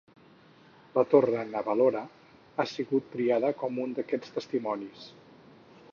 La torre Na Valora ha sigut triada com un d'aquests testimonis.